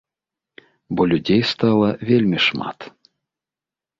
Бо людзей стала вельмі шмат.